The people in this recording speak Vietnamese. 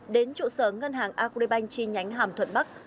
đến trụ sở ngân hàng agribank chi nhánh hàm thuận bắc